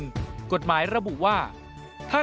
๕เงินจากการรับบริจาคจากบุคคลหรือนิติบุคคล